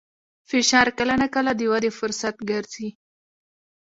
فشار کله ناکله د ودې فرصت ګرځي.